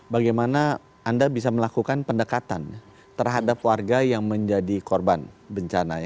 bagaimana anda bisa melakukan pendekatan terhadap warga yang menjadi korban bencana